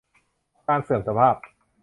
การเสื่อมสภาพ